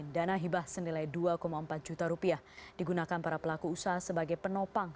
dana hibah senilai dua empat juta rupiah digunakan para pelaku usaha sebagai penopang